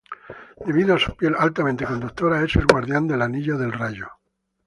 Debido a su piel altamente conductora es el guardián del anillo del rayo.